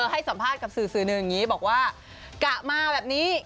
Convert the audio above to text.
ให้สัมภาษณ์กับสื่อสื่อหนึ่งอย่างนี้บอกว่ากะมาแบบนี้